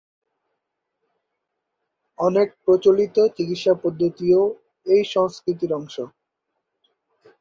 অনেক প্রচলিত চিকিৎসা পদ্ধতিও এই সংস্কৃতির অংশ।